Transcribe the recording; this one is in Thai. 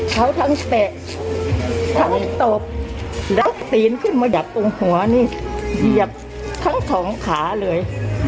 เขาทั้งเตะทั้งตบแล้วปีนขึ้นมาดับตรงหัวนี่เหยียบทั้งสองขาเลย